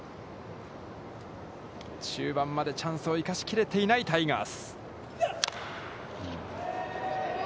中盤までチャンスを生かしきれていないタイガース。